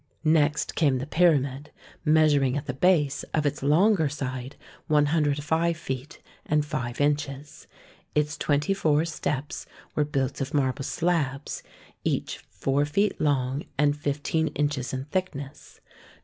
Next came the pyramid, measuring [at the base of its longer side 105 feet and 5 inches. Its twenty four steps were built of marble slabs, each four feet long and fifteen inches in thickness.